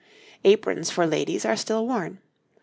Aprons for ladies are still worn.